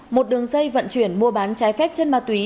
một đường dây vận chuyển mua bán trái phép chất ma túy